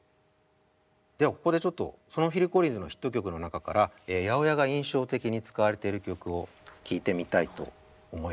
ではここでちょっとそのフィル・コリンズのヒット曲の中から８０８が印象的に使われている曲を聴いてみたいと思います。